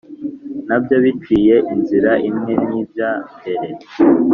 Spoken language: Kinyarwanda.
nabyo biciye inzira imwe n’ibya mbere,